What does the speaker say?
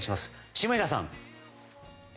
下平さん。